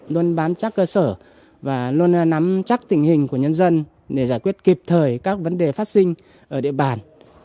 luôn bám sát cơ sở và luôn nắm chắc tình hình của nhân dân để giải quyết kịp thời các vấn đề phát sinh ở địa bàn